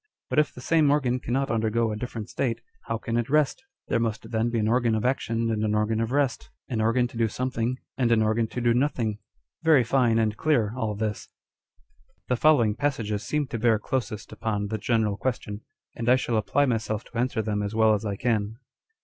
But if the same organ cannot undergo a different state, how can it rest ? There must then be an organ of action and an organ of rest, an organ to do something and an organ to do nothing ! Very fine and clear all this. The following passages seem to bear closest upon the general question, and I shall apply myself to answer them as well as I can.